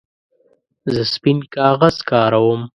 زه سپین کاغذ کاروم.